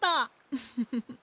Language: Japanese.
フフフフ。